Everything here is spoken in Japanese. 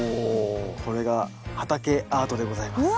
これが畑アートでございます。